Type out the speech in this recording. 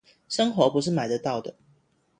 生活不是買得到的